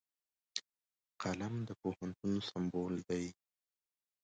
قلم د پوهنتون سمبول دی